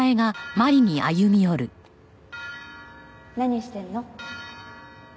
何してるの？